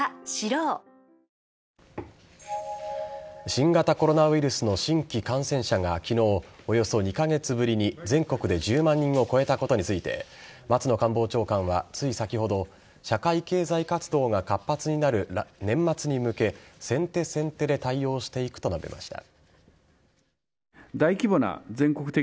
新型コロナウイルスの新規感染者が昨日およそ２カ月ぶりに全国で１０万人を超えたことについて松野官房長官は、つい先ほど社会経済活動が活発になる年末に向け先手先手で対応していくと述べました。